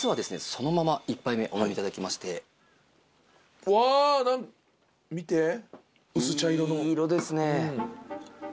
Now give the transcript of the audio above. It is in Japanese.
そのまま１杯目お飲みいただきましてうわなんか見て薄茶色のいい色ですね